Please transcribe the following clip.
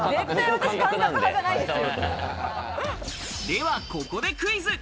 ではここでクイズ。